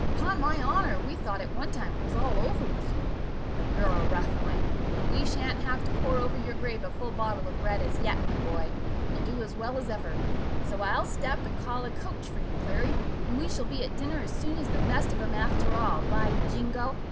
'Pon my honour, we thought at one time it was all over with you but you're a rough one: we shan't have to 'pour over your grave a full bottle of red' as yet, my boy you'll do as well as ever. So I'll step and call a coach for you, Clary, and we shall be at dinner as soon as the best of 'em after all, by jingo!